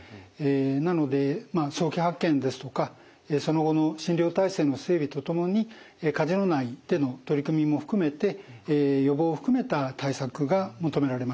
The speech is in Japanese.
なので早期発見ですとかその後の診療体制の整備とともにカジノ内での取り組みも含めて予防を含めた対策が求められます。